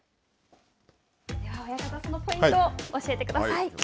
親方、そのポイントを教えてください。